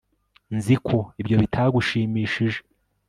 nzi ko ibyo bitagushimishije